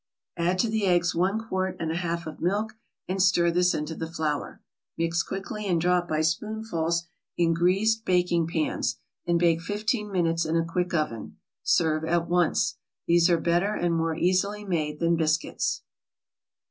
Add to the eggs one quart and a half of milk, and stir this into the flour. Mix quickly and drop by spoonfuls in greased baking pans, and bake fifteen minutes in a quick oven. Serve at once. These are better and more easily made than biscuits.